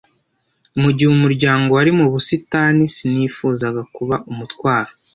mu gihe umuryango wari mu busitani. Sinifuzaga kuba umutwaro.